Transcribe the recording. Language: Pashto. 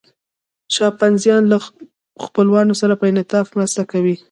شامپانزیان له خپلوانو سره په انعطاف مرسته کوي.